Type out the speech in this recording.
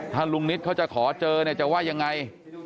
ถ้าลุงนิตเขาจะขอเจอเนี่ยจะว่ายังไง